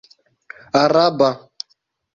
araba